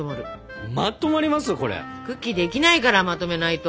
クッキーできないからまとめないと！